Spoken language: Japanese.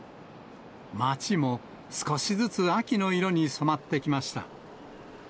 街も、少しずつ秋の色に染まってきました。